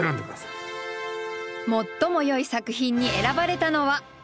最もよい作品に選ばれたのは。